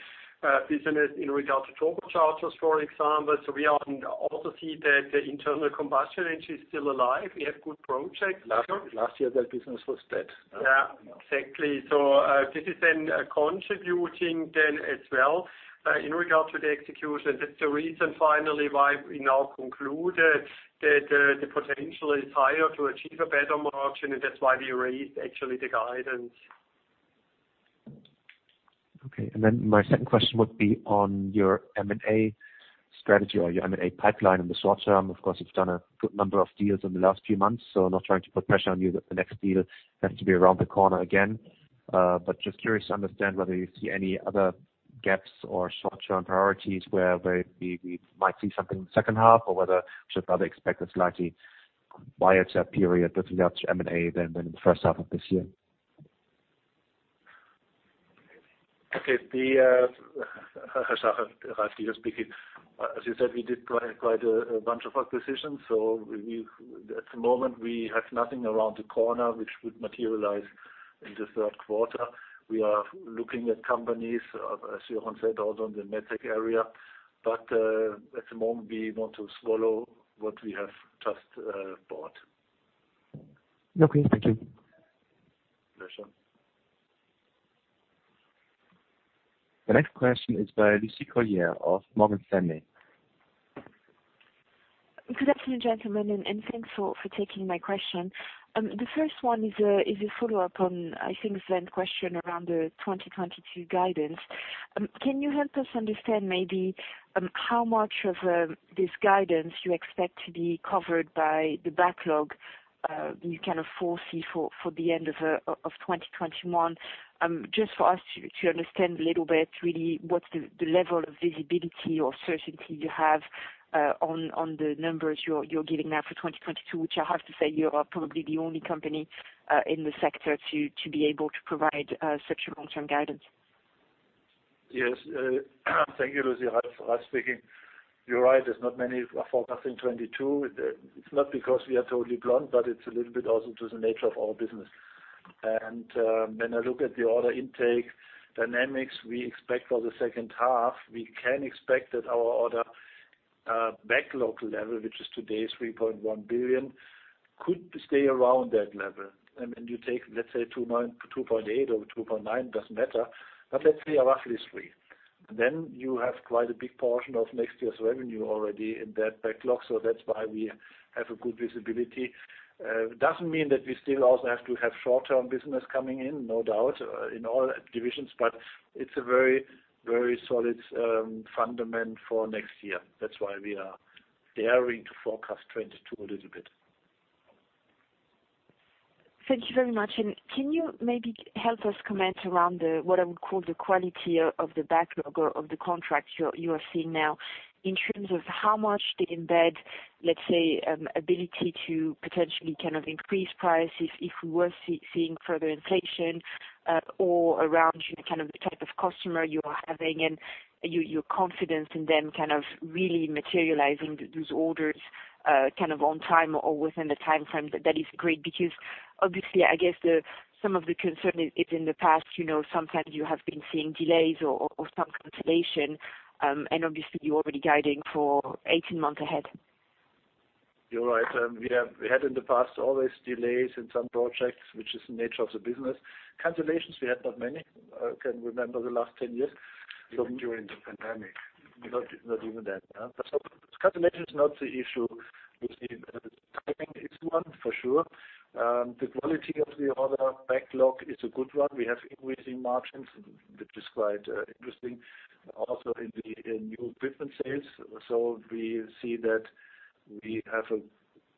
business in regard to turbochargers, for example. So we also see that the internal combustion engine is still alive. We have good projects. Last year, that business was dead. Yeah, exactly. So this is then contributing then as well in regard to the execution. That's the reason finally why we now conclude that the potential is higher to achieve a better margin, and that's why we raised actually the guidance. Okay. And then my second question would be on your M&A strategy or your M&A pipeline in the short term. Of course, you've done a good number of deals in the last few months, so not trying to put pressure on you that the next deal has to be around the corner again. But just curious to understand whether you see any other gaps or short-term priorities where we might see something in the second half or whether we should rather expect a slightly quieter period with regard to M&A than in the first half of this year. Okay. Ralf here speaking. As you said, we did quite a bunch of acquisitions. So at the moment, we have nothing around the corner which would materialize in the third quarter. We are looking at companies, as Jochen said, also in the medtech area. But at the moment, we want to swallow what we have just bought. Okay, thank you. Pleasure. The next question is by Lucie Carrier of Morgan Stanley. Good afternoon, gentlemen, and thanks for taking my question. The first one is a follow-up on, I think, Sven's question around the 2022 guidance. Can you help us understand maybe how much of this guidance you expect to be covered by the backlog you can foresee for the end of 2021? Just for us to understand a little bit, really, what's the level of visibility or certainty you have on the numbers you're giving now for 2022, which I have to say you are probably the only company in the sector to be able to provide such a long-term guidance. Yes. Thank you, Lucie. Ralf speaking. You're right. There's not many for 2022. It's not because we are totally blind, but it's a little bit also to the nature of our business, and when I look at the order intake dynamics, we expect for the second half, we can expect that our order backlog level, which is today 3.1 billion, could stay around that level. I mean, you take, let's say, 2.8 or 2.9, it doesn't matter. But let's say roughly 3 billion. And then you have quite a big portion of next year's revenue already in that backlog. So that's why we have a good visibility. It doesn't mean that we still also have to have short-term business coming in, no doubt, in all divisions, but it's a very, very solid fundament for next year. That's why we are daring to forecast 2022 a little bit. Thank you very much. And can you maybe help us comment around what I would call the quality of the backlog or of the contract you are seeing now in terms of how much they embed, let's say, ability to potentially kind of increase prices if we were seeing further inflation or around kind of the type of customer you are having and your confidence in them kind of really materializing those orders kind of on time or within the timeframe? That is great because, obviously, I guess some of the concern is in the past, sometimes you have been seeing delays or some cancellation. And obviously, you're already guiding for 18 months ahead. You're right. We had in the past always delays in some projects, which is the nature of the business. Cancellations, we had not many. I can remember the last 10 years. So. During the pandemic. Not even that. So cancellation is not the issue. I think it's one for sure. The quality of the order backlog is a good one. We have increasing margins, which is quite interesting, also in the new equipment sales. So we see that we have a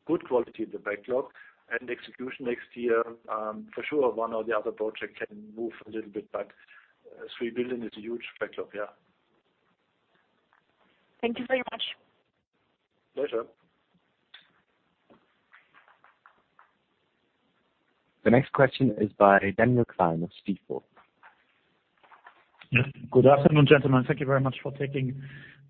good quality in the backlog. And execution next year, for sure, one or the other project can move a little bit. But 3 billion is a huge backlog, yeah. Thank you very much. Pleasure. The next question is by Daniel Gleim of Stifel. Good afternoon, gentlemen. Thank you very much for taking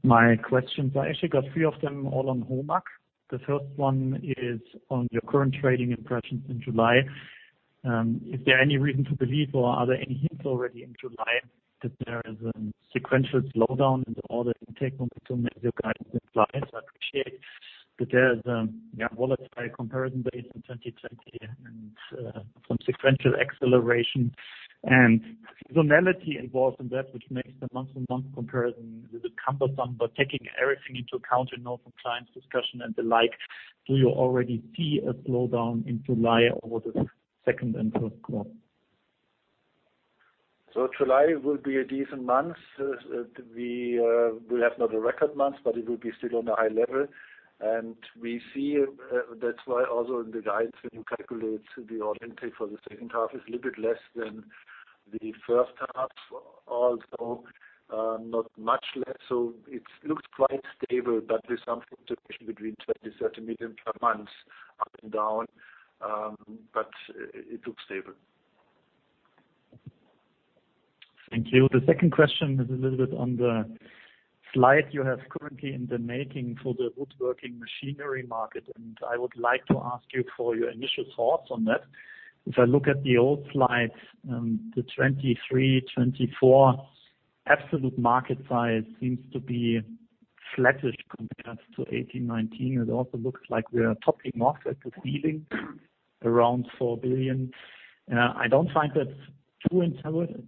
my questions. I actually got three of them all on HOMAG. The first one is on your current trading impressions in July. Is there any reason to believe or are there any hints already in July that there is a sequential slowdown in the order intake momentum as your guidance implies? I appreciate that there is a volatile comparison base in 2020 and some sequential acceleration and seasonality involved in that, which makes the month-to-month comparison a little bit cumbersome. But taking everything into account, you know, from clients' discussion and the like, do you already see a slowdown in July over the second and third quarter? July will be a decent month. We will have not a record month, but it will be still on a high level. And we see that's why also in the guidance, when you calculate the order intake for the second half, it's a little bit less than the first half, although not much less. So it looks quite stable, but there's some fluctuation between 20-30 million per month up and down, but it looks stable. Thank you. The second question is a little bit on the slide you have currently in the making for the woodworking machinery market. I would like to ask you for your initial thoughts on that. If I look at the old slides, the 2023, 2024 absolute market size seems to be flattish compared to 2018, 2019. It also looks like we are topping off at the ceiling around 4 billion. I don't find that unintuitive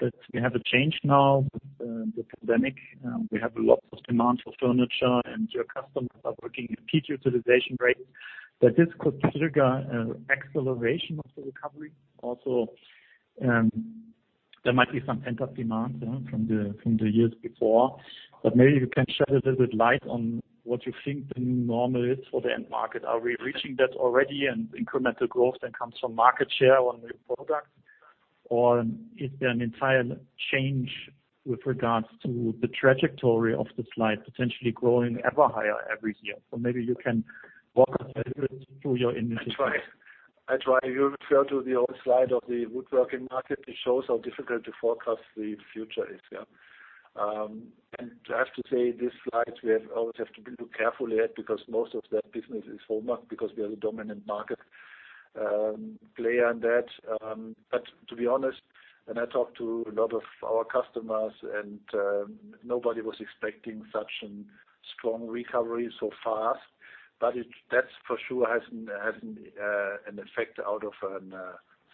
that we have a change now with the pandemic. We have lots of demand for furniture, and your customers are working at peak utilization rates. That this could trigger an acceleration of the recovery. Also, there might be some pent-up demand from the years before. But maybe you can shed a little bit light on what you think the new normal is for the end market. Are we reaching that already? And incremental growth that comes from market share on new products? Or is there an entire change with regards to the trajectory of the slide potentially growing ever higher every year? So maybe you can walk us through your initial thoughts. I try. You refer to the old slide of the woodworking market. It shows how difficult to forecast the future is, yeah? And I have to say, this slide, we always have to look carefully at because most of that business is HOMAG because we are the dominant market player in that. But to be honest, when I talked to a lot of our customers, nobody was expecting such a strong recovery so fast. But that for sure has an effect out of,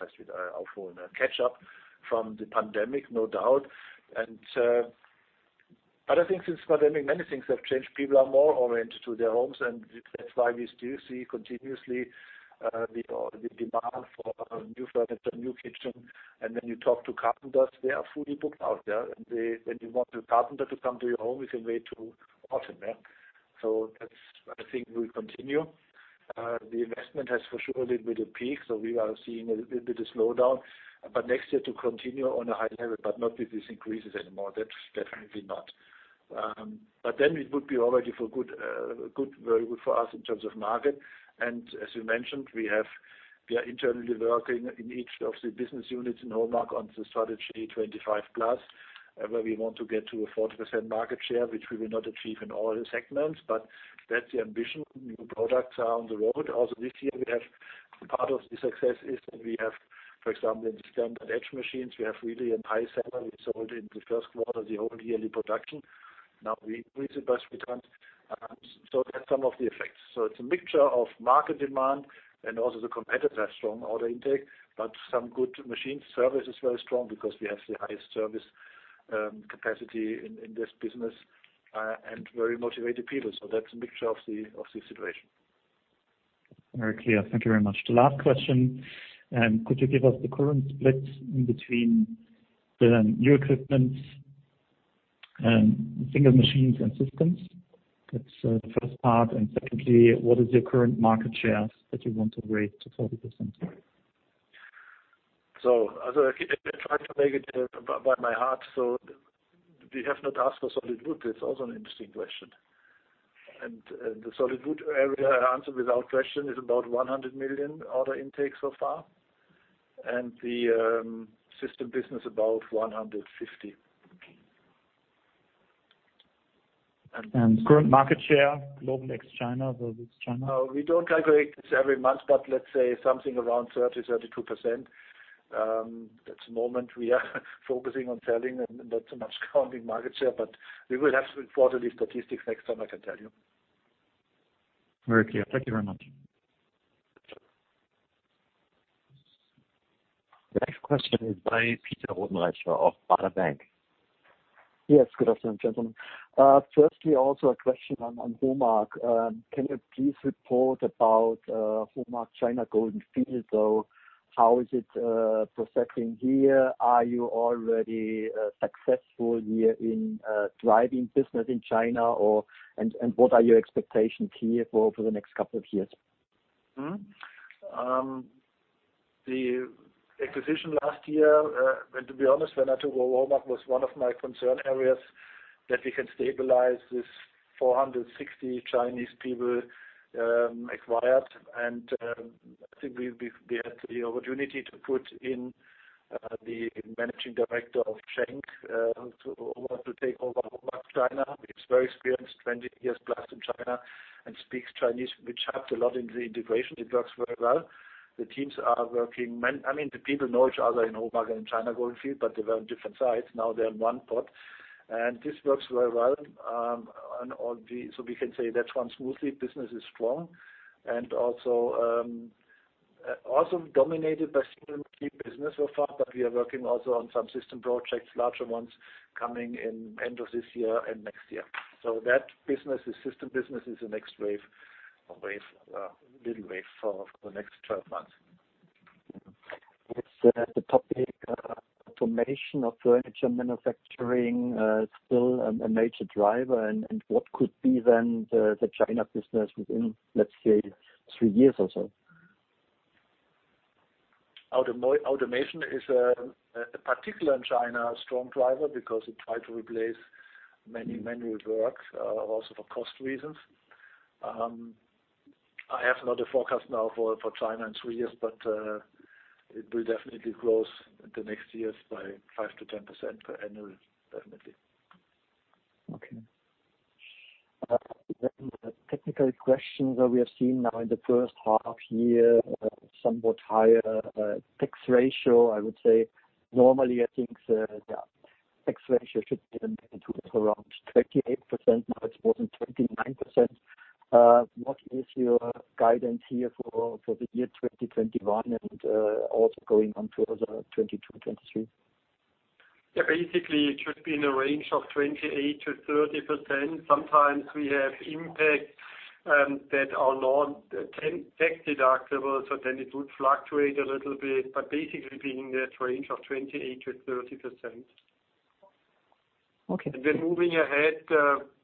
let's say, our phone, a catch-up from the pandemic, no doubt. But I think since the pandemic, many things have changed. People are more oriented to their homes, and that's why we still see continuously the demand for new furniture, new kitchen. And when you talk to carpenters, they are fully booked out, yeah? And when you want a carpenter to come to your home, you can wait to autumn, yeah? So that's, I think, will continue. The investment has for sure a little bit of peak, so we are seeing a little bit of slowdown. But next year to continue on a high level, but not with these increases anymore, that's definitely not. But then it would be already very good for us in terms of market. And as you mentioned, we are internally working in each of the business units in HOMAG on the Strategy 25+, where we want to get to a 40% market share, which we will not achieve in all the segments. But that's the ambition. New products are on the road. Also, this year, we have part of the success is that we have, for example, in the standard edge machines, we have really a high seller. We sold in the first quarter the whole yearly production. Now we increased the price. We don't. So that's some of the effects. So it's a mixture of market demand and also the competitor has strong order intake. But some good machine service is very strong because we have the highest service capacity in this business and very motivated people. So that's a mixture of the situation. Very clear. Thank you very much. The last question, could you give us the current split in between the new equipment, single machines, and systems? That's the first part. And secondly, what is your current market shares that you want to raise to 40%? So I'll try to make it by my heart. So we have not asked for solid wood. That's also an interesting question. And the solid wood area, I answer without question, is about 100 million order intake so far. And the system business, about 150 million. Current market share, global ex-China versus ex-China? We don't calculate this every month, but let's say something around 30%-32%. At the moment, we are focusing on selling and not so much counting market share. But we will have to report on these statistics next time, I can tell you. Very clear. Thank you very much. The next question is by Peter Rothenaicher of Baader Bank. Yes, good afternoon, gentlemen. Firstly, also a question on HOMAG. Can you please report about HOMAG China Golden Field? So how is it processing here? Are you already successful here in driving business in China? And what are your expectations here for the next couple of years? The acquisition last year, to be honest, when I took over HOMAG, was one of my concern areas that we can stabilize this 460 Chinese people acquired. And I think we had the opportunity to put in the managing director of Schenck to take over HOMAG China. He's very experienced, 20 years plus in China, and speaks Chinese, which helped a lot in the integration. It works very well. The teams are working I mean, the people know each other in HOMAG and in China Golden Field, but they were on different sides. Now they're in one pod. And this works very well. So we can say that runs smoothly. Business is strong. And also dominated by single machine business so far, but we are working also on some system projects, larger ones, coming in the end of this year and next year. So that business, the system business, is the next wave, a little wave for the next 12 months. Is the topic automation of furniture manufacturing still a major driver? What could be then the China business within, let's say, three years or so? Automation is particularly in China a strong driver because it tried to replace many, many works, also for cost reasons. I have not a forecast now for China in three years, but it will definitely grow in the next years by 5%-10% per annum, definitely. Okay. Then the technical questions that we have seen now in the first half year, somewhat higher tax ratio, I would say. Normally, I think the tax ratio should be around 28%. Now it's more than 29%. What is your guidance here for the year 2021 and also going on further, 2022, 2023? Yeah, basically, it should be in the range of 28%-30%. Sometimes we have impacts that are non-tax deductible, so then it would fluctuate a little bit, but basically, being in that range of 28%-30%, and then moving ahead,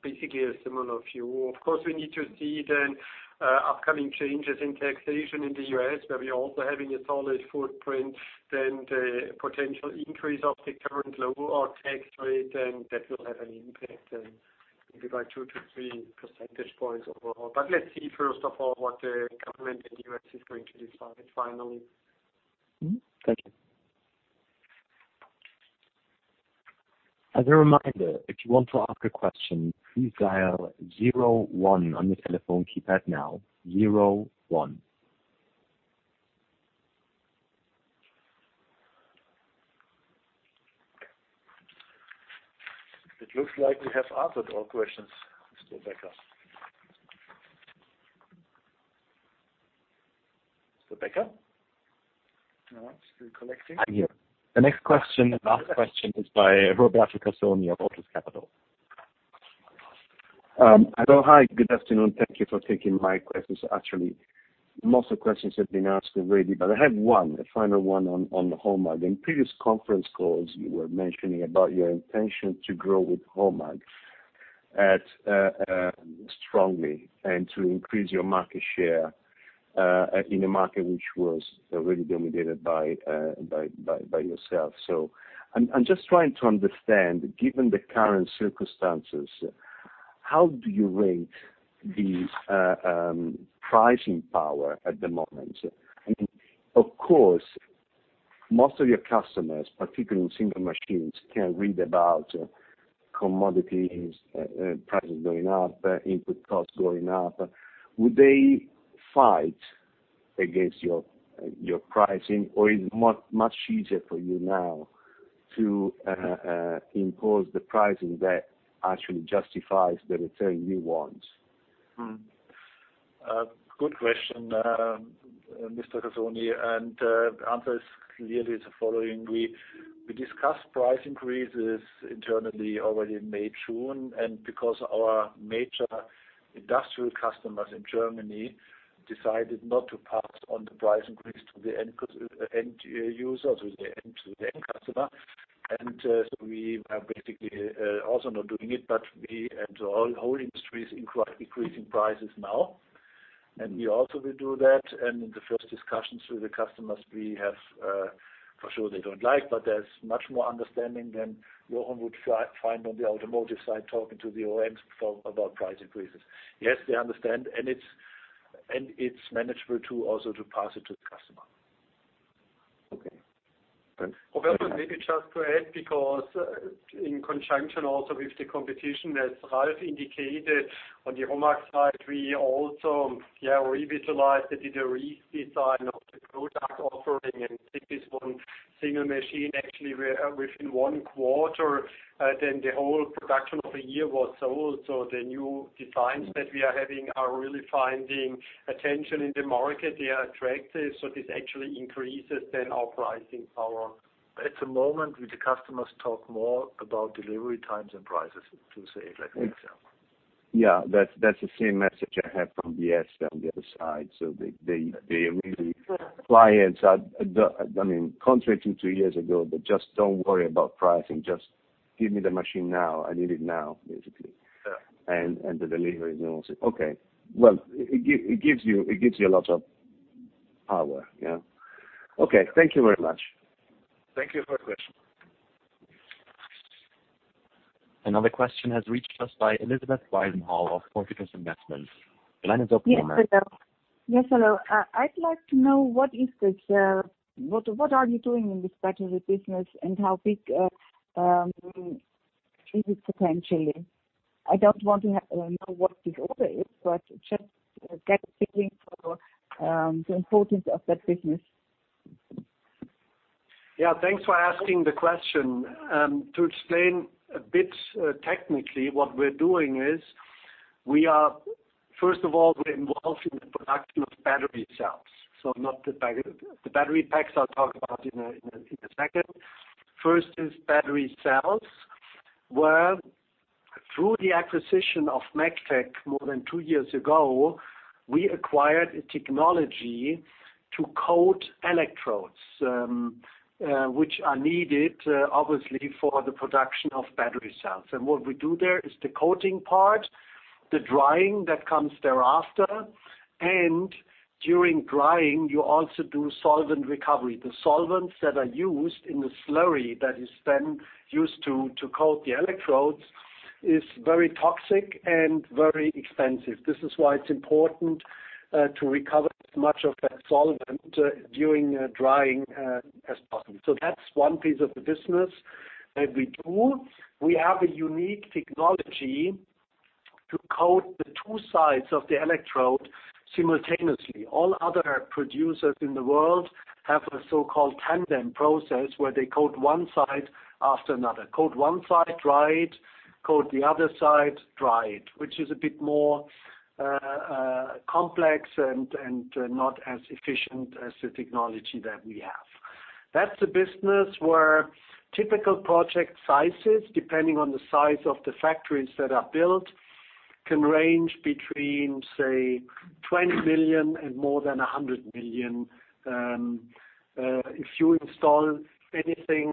basically, a similar view. Of course, we need to see then upcoming changes in taxation in the U.S., where we are also having a solid footprint, then the potential increase of the current lower tax rate, then that will have an impact then maybe by 2 to 3 percentage points overall, but let's see first of all what the government in the U.S is going to decide finally. Thank you. As a reminder, if you want to ask a question, please dial zero one on the telephone keypad now. Zero one. It looks like we have answered all questions. Operator. Operator? No, still collecting? I'm here. The next question, last question, is by [Roberto Casoni of Otus Capital. Hello. Hi. Good afternoon. Thank you for taking my questions, actually. Most of the questions have been asked already, but I have one, a final one on HOMAG. In previous conference calls, you were mentioning about your intention to grow with HOMAG strongly and to increase your market share in a market which was already dominated by yourself. So I'm just trying to understand, given the current circumstances, how do you rate the pricing power at the moment? I mean, of course, most of your customers, particularly in single machines, can read about commodities, prices going up, input costs going up. Would they fight against your pricing, or is it much easier for you now to impose the pricing that actually justifies the return you want? Good question, [Mr. Casoni]. And the answer is clearly the following. We discussed price increases internally already in May, June. And because our major industrial customers in Germany decided not to pass on the price increase to the end user, to the end customer, and so we are basically also not doing it, but we and all industries increasing prices now. And we also will do that. And in the first discussions with the customers, we have for sure they don't like, but there's much more understanding than you often would find on the automotive side talking to the OEMs about price increases. Yes, they understand, and it's manageable too also to pass it to the customer. Okay. Then. However, maybe just to add because in conjunction also with the competition that Ralf indicated on the HOMAG side, we also revitalized the redesign of the product offering. And this one single machine, actually, within one quarter, then the whole production of the year was sold. So the new designs that we are having are really finding attention in the market. They are attractive. So this actually increases then our pricing power. At the moment, with the customers, talk more about delivery times and prices, to say it like that, yeah? Yeah. That's the same message I have from Biesse on the other side, so the clients, I mean, contrary to two years ago, they just don't worry about pricing. Just give me the machine now. I need it now, basically, and the delivery is almost, okay. Well, it gives you a lot of power, yeah? Okay. Thank you very much. Thank you for the question. Another question has reached us by Elisabeth Weisenhorn of Portikus Investment. The line is open now. Yes, hello. Yes, hello. I'd like to know what is this? What are you doing in this battery business, and how big is it potentially? I don't want to know what the order is, but just get a feeling for the importance of that business. Yeah. Thanks for asking the question. To explain a bit technically, what we're doing is, first of all, we're involved in the production of battery cells. So the battery packs I'll talk about in a second. First is battery cells, where through the acquisition of MEGTEC more than two years ago, we acquired a technology to coat electrodes, which are needed, obviously, for the production of battery cells. And what we do there is the coating part, the drying that comes thereafter. And during drying, you also do solvent recovery. The solvents that are used in the slurry that is then used to coat the electrodes is very toxic and very expensive. This is why it's important to recover as much of that solvent during drying as possible. So that's one piece of the business that we do. We have a unique technology to coat the two sides of the electrode simultaneously. All other producers in the world have a so-called tandem process where they coat one side after another. Coat one side, dry it. Coat the other side, dry it, which is a bit more complex and not as efficient as the technology that we have. That's a business where typical project sizes, depending on the size of the factories that are built, can range between, say, 20 million and more than 100 million. If you install anything,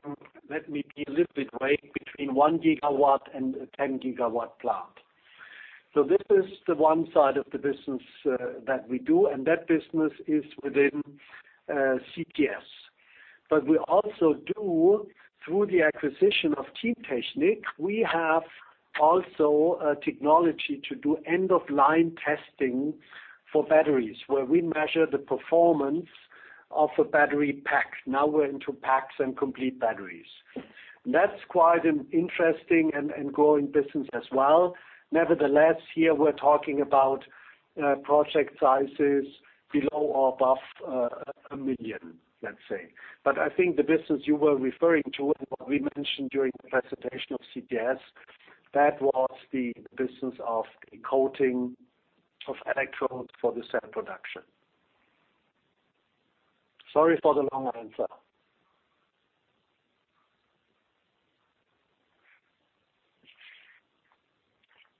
let me be a little bit vague, between one gigawatt and a 10-GW plant. So this is the one side of the business that we do. And that business is within CTS. But we also do, through the acquisition of Teamtechnik, we have also a technology to do end-of-line testing for batteries, where we measure the performance of a battery pack. Now we're into packs and complete batteries. That's quite an interesting and growing business as well. Nevertheless, here we're talking about project sizes below or above a million, let's say. But I think the business you were referring to and what we mentioned during the presentation of CTS, that was the business of the coating of electrodes for the cell production. Sorry for the long answer.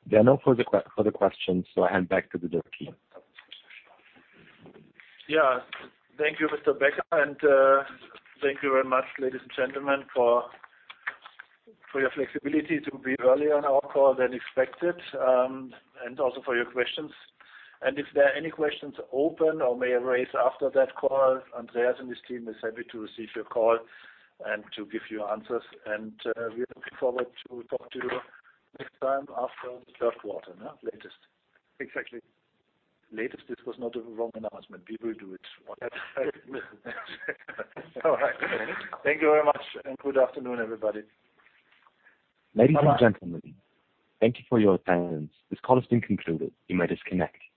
There are no further questions, so I hand back to the Dietmar. Yeah. Thank you, [Mr. Becker, and thank you very much, ladies and gentlemen, for your flexibility to be early on our call than expected, and also for your questions, and if there are any questions open or may arise after that call, Andreas and his team are happy to receive your call and to give you answers, and we're looking forward to talk to you next time after the third quarter, latest. Exactly. Latest, this was not a wrong announcement. We will do it. All right. Thank you very much, and good afternoon, everybody. Ladies and gentlemen, thank you for your attendance. This call has been concluded. You may disconnect.